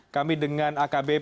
kami dengan akbp